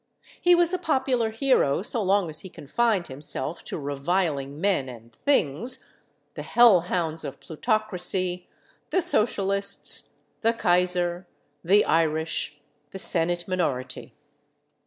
He was a popular hero so long as he confined himself to reviling men and things—the Hell Hounds of Plutocracy, the Socialists, the Kaiser, the Irish, the Senate minority.